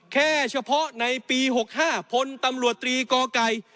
แค่เฉพาะในปี๖๕พลตำรวจตรีก่อไก่